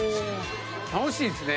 楽しいっすね。